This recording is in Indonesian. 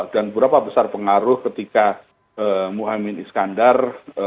dan berapa besar pengaruh ketika muhammad ibn iskandar